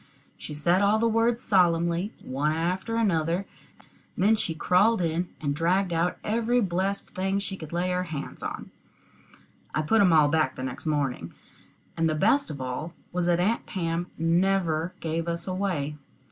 She said all the words solemnly, one after another; then she crawled in, and dragged out every blessed thing she could lay her hands on. I put 'em all back the next morning, and the best of it all was that Aunt Pam never gave us away.